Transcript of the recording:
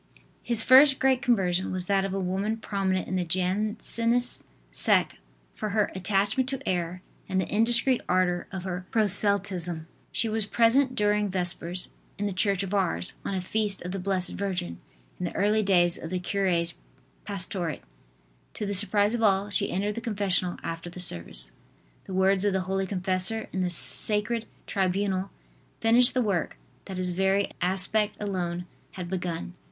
His first great conversion was that of a woman prominent in the Jansenist sect for her attachment to error and the indiscreet ardor of her proselytism. She was present during Vespers, in the church of Ars, on a feast of the Blessed Virgin, in the early days of the cure's pastorate. To the surprise of all, she entered the confessional after the service. The words of the holy confessor in the sacred tribunal finished the work that his very aspect alone had begun.